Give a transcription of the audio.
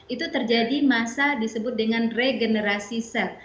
itu terjadi masa disebut dengan regenerasi set